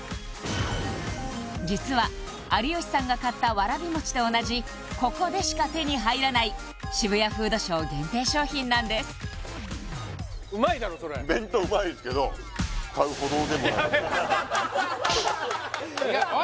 実は有吉さんが買ったわらび餅と同じここでしか手に入らない渋谷フードショー限定商品なんです弁当うまいんですけどおい！